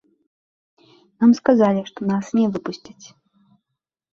Нам сказалі, што нас не выпусцяць.